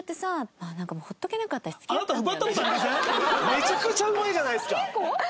めちゃくちゃうまいじゃないですか。